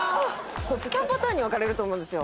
これ２パターンに分かれると思うんですよ。